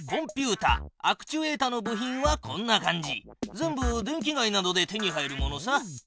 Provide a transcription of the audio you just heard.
全部電気街などで手に入るものさ。